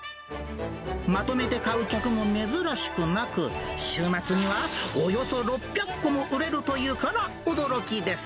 まとめて買う客も珍しくなく、週末には、およそ６００個も売れるというから驚きです。